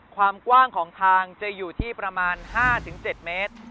ความกว้างของทางจะอยู่ที่ประมาณ๕๗เมตร